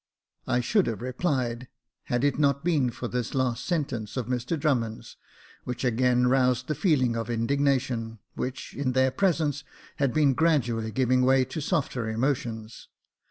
I should have replied, had it not been for this last sentence of Mr Drummond's, which again roused the feelings of indignation, which, in their presence, had been gradually giving way to softer emotions.